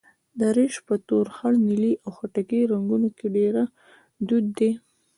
دریشي په تور، خړ، نیلي او خټکي رنګونو کې ډېره دود ده.